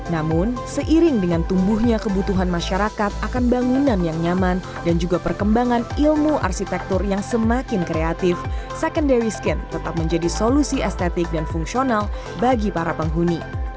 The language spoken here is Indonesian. namun seiring dengan tumbuhnya kebutuhan masyarakat akan bangunan yang nyaman dan juga perkembangan ilmu arsitektur yang semakin kreatif secondary skin tetap menjadi solusi estetik dan fungsional bagi para penghuni